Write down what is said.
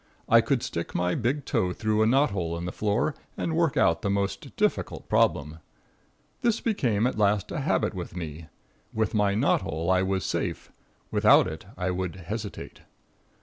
I could stick my big toe through a knot hole in the floor and work out the most difficult problem. This became at last a habit with me. With my knot hole I was safe, without it I would hesitate.